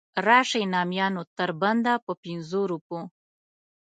راشئ نامیانو تر بنده په پنځو روپو.